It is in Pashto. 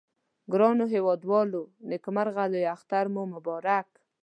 ګرانو هیوادوالو نیکمرغه لوي اختر مو مبارک